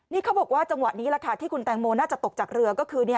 นี่เขาบอกว่าจังหวะนี้แหละค่ะที่คุณแตงโมน่าจะตกจากเรือก็คือ